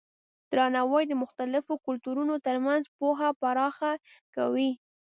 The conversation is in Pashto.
درناوی د مختلفو کلتورونو ترمنځ پوهه پراخه کوي.